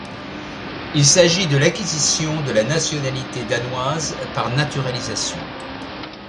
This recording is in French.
Il s'agit de l'acquisition de la nationalité danoise par naturalisation.